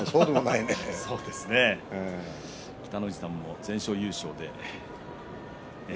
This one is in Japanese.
北の富士さんも全勝優勝でいやいや